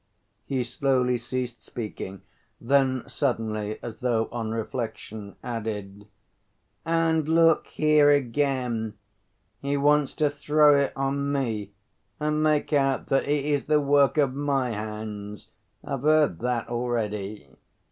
He slowly ceased speaking; then suddenly, as though on reflection, added: "And look here again. He wants to throw it on me and make out that it is the work of my hands—I've heard that already.